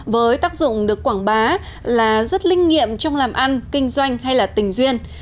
với tác dụng được quảng bá là rất linh nghiệm trong làm ăn kinh doanh hay là tình duyên